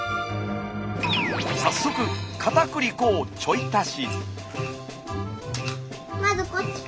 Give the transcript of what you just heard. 早速かたくり粉をちょい足し。